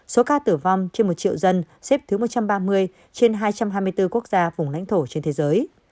số ca tử vong trên một triệu dân xếp thứ một trăm ba mươi trên hai trăm hai mươi bốn quốc gia vùng lãnh thổ trên thế giới